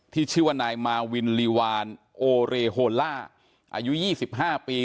ที่ชื่อว่านายมารวิลริวานโอเรโฮล่าอายุยี่สิบห้าปี